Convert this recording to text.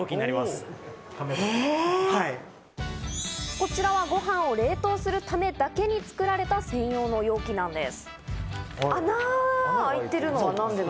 こちらはごはんを冷凍するためだけに作られた専用の容器なんです。